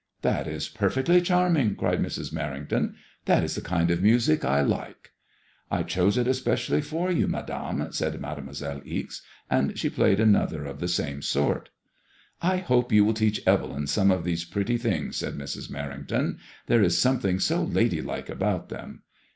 " That is perfectly charming," cried Mrs. Merrington —" that is the kind of music I like/' " I chose it especially for you, Madame," said Mademoiselle Ixe, and she played another of the same sort. " I hope you will teach Evelyn some of these pretty things," said Mrs. Merrington. ''There is something so ladylike about them.